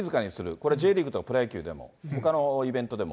これＪリーグとプロ野球でも、ほかのイベントでも。